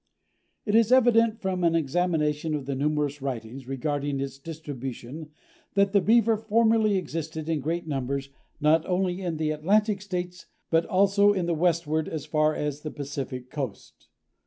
It is evident from an examination of the numerous writings regarding its distribution that the Beaver formerly existed in great numbers not only in the Atlantic States, but also to the westward as far as the Pacific coast.